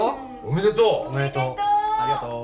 おめでとう